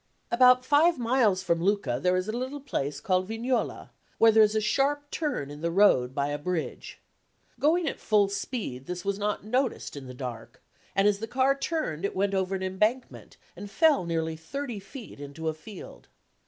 About five miles from Lucca there is a little place called Vignola, where is a sharp turn in the road by a bridge. Going at full speed, this was not noticed in the dark, and as the car turned, it went over an embankment and fell nearly thirty feet into a field.